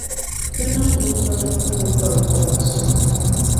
Bɛ niŋgbuŋgbana kuumi pa bɛ kɔba zuɣu.